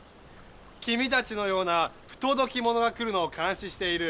君たちのような不届き者が来るのを監視している。